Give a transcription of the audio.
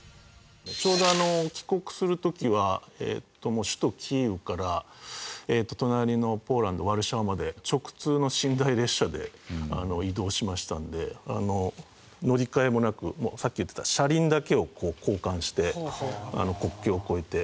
ちょうど帰国する時は首都キーウから隣のポーランドワルシャワまで直通の寝台列車で移動しましたんで乗り換えもなくさっき言ってた車輪だけを交換して国境を越えて。